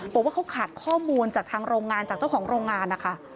บอกว่าเขาขาดข้อมูลจากทางโรงงานจากเจ้าของโรงงานนะคะ